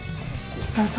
どうぞ。